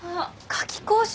夏期講習？